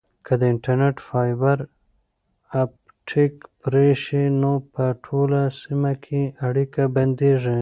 که د انټرنیټ فایبر اپټیک پرې شي نو په ټوله سیمه کې اړیکه بندیږي.